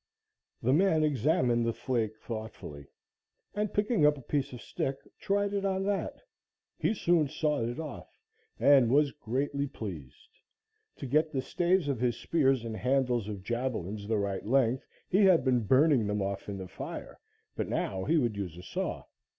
The man examined the flake thoughtfully, and, picking up a piece of stick, tried it on that. He soon sawed it off, and was greatly pleased. To get the staves of his spears and handles of javelins the right length, he had been burning them off in the fire, but now he would use a saw.